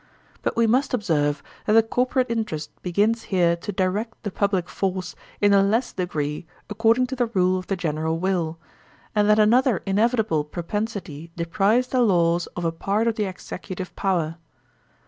But we must observe that the corporate interest begins here to direct the public force in a less degree according to the rule of the general will, and that another inevitable pro pensity deprives the laws of a part of the executive power.